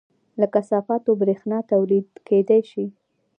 له کثافاتو بریښنا تولید کیدی شي